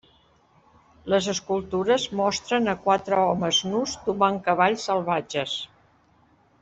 Les escultures mostren a quatre homes nus domant cavalls salvatges.